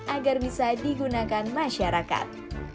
agar bisa digunakan masyarakat